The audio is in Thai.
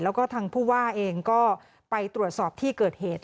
แล้วก็ทางผู้ว่าเองก็ไปตรวจสอบที่เกิดเหตุ